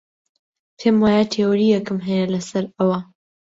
پێم وایە تیۆرییەکم هەیە لەسەر ئەوە.